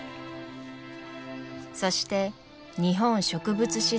そして「日本植物志図譜」